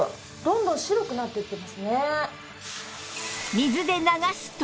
水で流すと